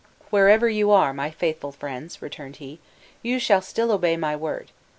"Wherever you are, my faithful friends," returned he, "you shall still obey my word."